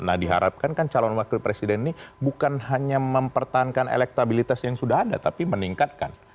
nah diharapkan kan calon wakil presiden ini bukan hanya mempertahankan elektabilitas yang sudah ada tapi meningkatkan